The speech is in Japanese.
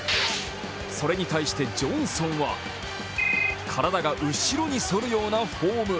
それに対してジョンソンは、体が後ろにそるようなフォーム。